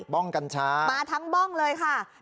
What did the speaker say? บ้องกัญชามาทั้งบ้องเลยค่ะ